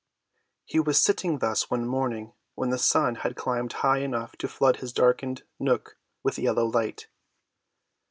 He was sitting thus one morning when the sun had climbed high enough to flood his darkened nook with yellow light.